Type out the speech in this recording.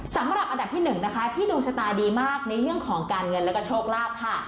สำหรับอันดับที่๑นะคะที่ดวงชะตาดีมากในเรื่องของการเงินแล้วก็โชคลาภค่ะ